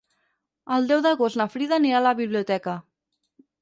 El deu d'agost na Frida anirà a la biblioteca.